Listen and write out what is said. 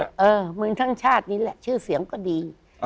เมืองทั้งชาตินี่แหละชื่อเสียงก็ดี